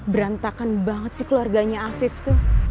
berantakan banget sih keluarganya afif tuh